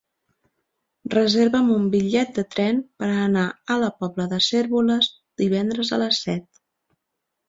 Reserva'm un bitllet de tren per anar a la Pobla de Cérvoles divendres a les set.